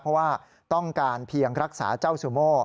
เพราะว่าต้องการเพียงรักษาเจ้าซูโม่